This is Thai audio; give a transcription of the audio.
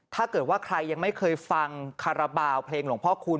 ถ้าเกิดว่าใครยังไม่เคยฟังคาราบาลเพลงหลวงพ่อคูณ